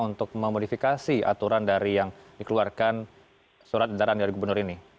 untuk memodifikasi aturan dari yang dikeluarkan surat edaran dari gubernur ini